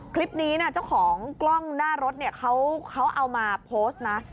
คลิปนี้เจ้าของกล้องหน้ารถเนี่ยเขาเอามาโพสต์นะ